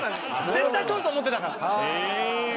絶対通ると思ってたから。